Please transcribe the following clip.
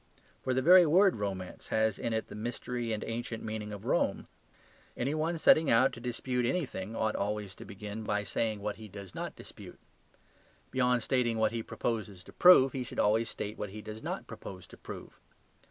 For the very word "romance" has in it the mystery and ancient meaning of Rome. Any one setting out to dispute anything ought always to begin by saying what he does not dispute. Beyond stating what he proposes to prove he should always state what he does not propose to prove.